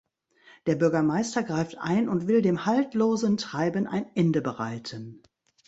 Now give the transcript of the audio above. Der Bürgermeister greift ein und will dem haltlosen Treiben ein Ende bereiten.